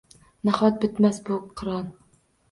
Nahot, bitmas bu kiron?